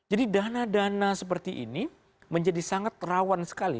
jadi dana dana seperti ini menjadi sangat rawan sekali